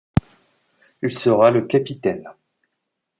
Il sera le capitaine.